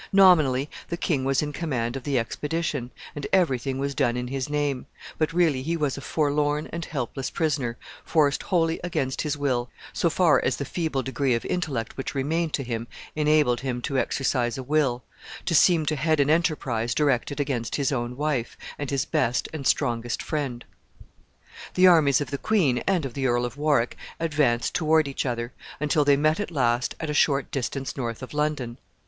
Nominally, the king was in command of the expedition, and every thing was done in his name, but really he was a forlorn and helpless prisoner, forced wholly against his will so far as the feeble degree of intellect which remained to him enabled him to exercise a will to seem to head an enterprise directed against his own wife, and his best and strongest friend. The armies of the queen and of the Earl of Warwick advanced toward each other, until they met at last at a short distance north of London.